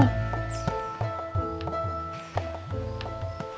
mak bangun mak